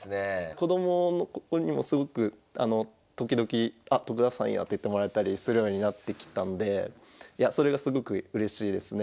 子どもにもすごく時々「あ徳田さんや」って言ってもらえたりするようになってきたんでそれがすごくうれしいですね。